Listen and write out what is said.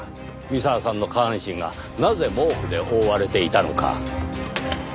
三沢さんの下半身がなぜ毛布で覆われていたのか。